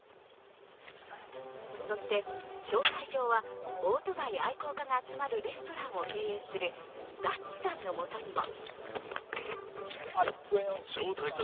そして招待状はオートバイ愛好家が集まるレストランを経営するダッチさんのもとにも。